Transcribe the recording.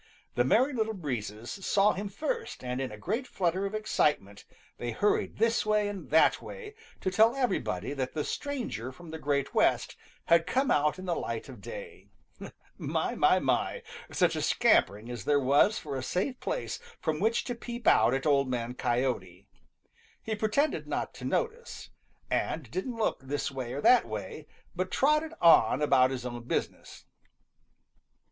The Merry Little Breezes saw him first and in a great flutter of excitement they hurried this way and that way to tell everybody that the stranger from the Great West had come out in the light of day. My, my, my! such a scampering as there was for a safe place from which to peep out at Old Man Coyote! He pretended not to notice, and didn't look this way or that way, but trotted on about his own business.